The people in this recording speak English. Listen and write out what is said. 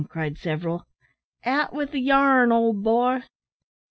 cried several. "Out wi' the yarn, old boy."